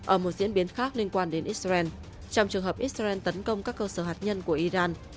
ở một diễn biến khác liên quan đến israel trong trường hợp israel tấn công các cơ sở hạt nhân của iran